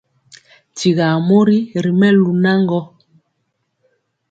Tyira mori ri melu naŋgɔ,